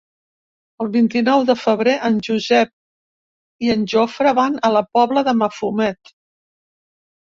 El vint-i-nou de febrer en Josep i en Jofre van a la Pobla de Mafumet.